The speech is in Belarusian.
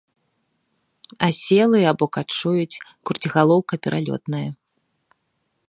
Аселыя або качуюць, круцігалоўка пералётная.